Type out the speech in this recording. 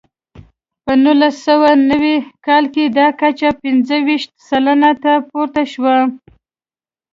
په نولس سوه نوي کال کې دا کچه پنځه ویشت سلنې ته پورته شوه.